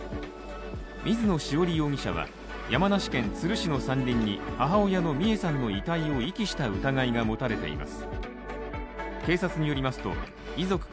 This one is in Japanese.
水野潮理容疑者は山梨県都留市の山林に母親の美恵さんの遺体を遺棄した疑いが持たれています。